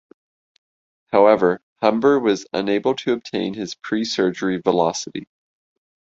However, Humber was unable to obtain his pre-surgery velocity.